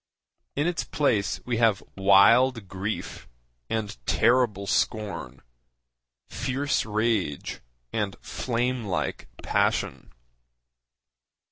In its place we have wild grief and terrible scorn, fierce rage and flame like passion.